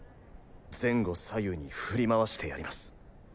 前後左右に振り回してやります。